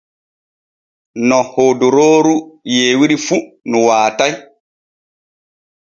No hodorooru yeewiri fu nu waatay.